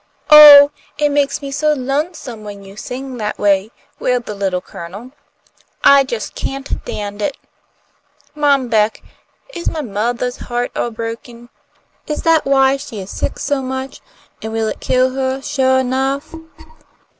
"Oh, it makes me so lonesome when you sing that way," wailed the Little Colonel. "I just can't 'tand it! Mom Beck, is my mothah's heart all broken? Is that why she is sick so much, and will it kill her suah 'nuff?"